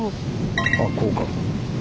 あこうか。